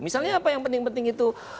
misalnya apa yang penting penting itu